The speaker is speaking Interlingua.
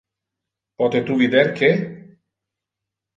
Pote tu vider que?